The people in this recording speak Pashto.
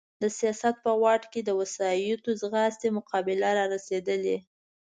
د سیاست په واټ کې د وسایطو ځغاستې مقابله را رسېدلې.